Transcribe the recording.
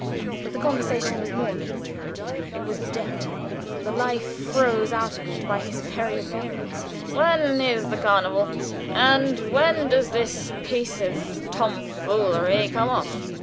But the conversation was more than interrupted; it was dead the life frozen out of it by his very appearance. "When is the carnival, and when does this piece of tomfoolery come off?"